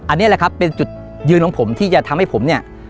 อันนี้แหละครับเป็นจุดยืนของผมที่จะทำให้ผมเนี่ย